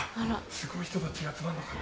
すごい人たちが集まんのかな？